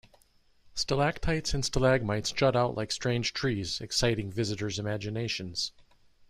Stalactites and stalagmites jut out like strange trees, exciting visitor's imaginations.